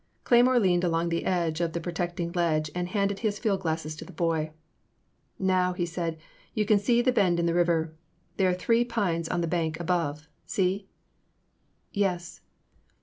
Cleymore leaned along the edge of the protect ing ledge and handed his field glasses to the boy. Now, he said, you can see the bend in the river. There are three pines on the bank above — see?*' '*Yes.